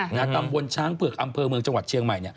ตำบลช้างเผือกอำเภอเมืองจังหวัดเชียงใหม่